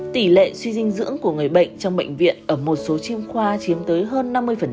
tỷ lệ suy dinh dưỡng của người bệnh trong bệnh viện ở một số chiêm khoa chiếm tới hơn năm mươi